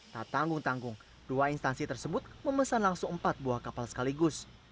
tak tanggung tanggung dua instansi tersebut memesan langsung empat buah kapal sekaligus